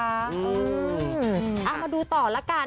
เอามาดูต่อละกัน